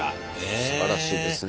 すばらしいですね。